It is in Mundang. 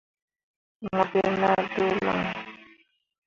Mo gi nah ɗǝǝ lǝŋ.